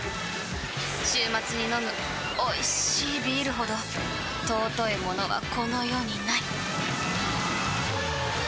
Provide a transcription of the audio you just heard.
週末に飲むおいしいビールほど尊いものはこの世にない！